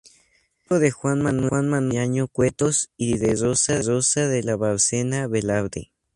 Hijo de Juan Manuel de Riaño Cuetos y de Rosa de la Bárcena Velarde.